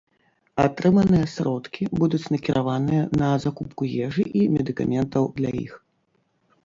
Атрыманыя сродкі будуць накіраваныя на закупку ежы і медыкаментаў для іх.